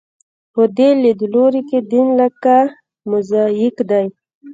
په دې لیدلوري کې دین لکه موزاییک دی.